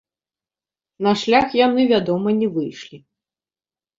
На шлях яны, вядома, не выйшлі.